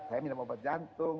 saya minum obat jantung